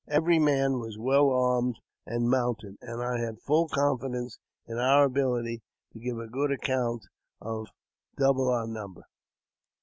Every man was well armed and mounted, and I had full confidence in our abihty to give a good account of double our number.